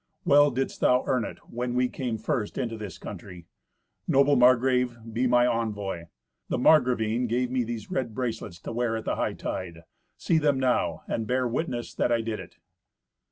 Well didst thou earn it when we came first into this country. Noble Margrave, be my envoy. The Margravine gave me these red bracelets to wear at the hightide. See them now, and bear witness that I did it."